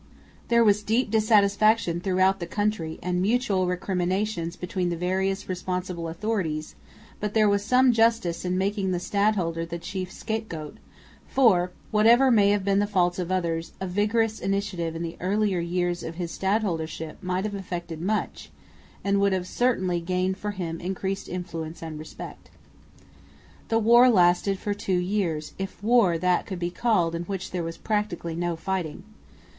There was deep dissatisfaction throughout the country, and mutual recriminations between the various responsible authorities, but there was some justice in making the stadholder the chief scapegoat, for, whatever may have been the faults of others, a vigorous initiative in the earlier years of his stadholdership might have effected much, and would have certainly gained for him increased influence and respect. The war lasted for two years, if war that could be called in which there was practically no fighting.